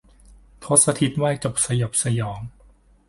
ทศทิศไหวจบสยบสยอง